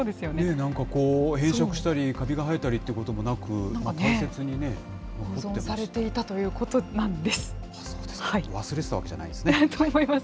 なんかこう、変色したり、かびが生えたりということもなく、保存されていたということなそうですか、忘れてたわけじと思います。